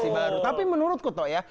betul tapi menurutku tau ya